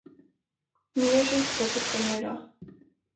Nya kylskåpet kommer idag.